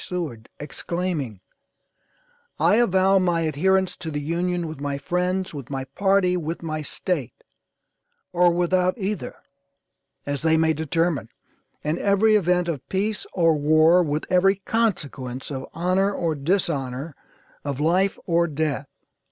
Seward, exclaiming: "I avow my adherence to the Union with my friends, with my party, with my State; or without either, as they may determine, in every event of peace or war, with every consequence of honor or dishonor, of life or death."